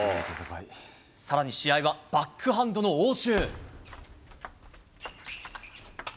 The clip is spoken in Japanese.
さらに試合はバックハンドの応酬。